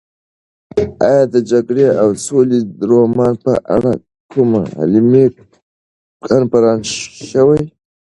ایا د جګړې او سولې رومان په اړه کوم علمي کنفرانس شوی؟